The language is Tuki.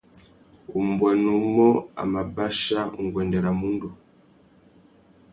Umbuênê umô a mà bachia nguêndê râ mundu.